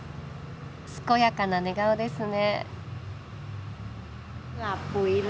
健やかな寝顔ですね。